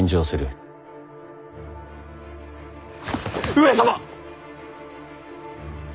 上様！